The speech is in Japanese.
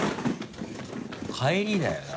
帰りだよな。